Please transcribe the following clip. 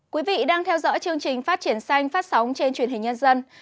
quý vị đang theo dõi chương trình phát triển xanh phát sóng trên truyền hình nhân dân